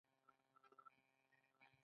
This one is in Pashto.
هغه دا پیسې په تولیدي کار اچوي